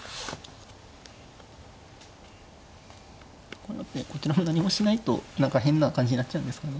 こうなってこちらも何もしないと何か変な感じになっちゃうんですかね。